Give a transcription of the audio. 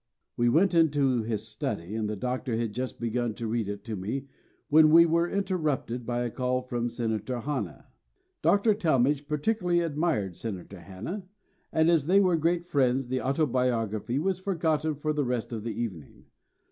We went into his study and the Doctor had just begun to read it to me when we were interrupted by a call from Senator Hanna. Dr. Talmage particularly admired Senator Hanna, and, as they were great friends, the autobiography was forgotten for the rest of the evening.